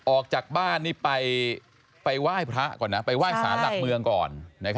ออกจากบ้านนี่ไปไหว้พระก่อนนะไปไหว้สารหลักเมืองก่อน